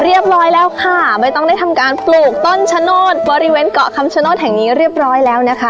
เรียบร้อยแล้วค่ะไม่ต้องได้ทำการปลูกต้นชะโนธบริเวณเกาะคำชโนธแห่งนี้เรียบร้อยแล้วนะคะ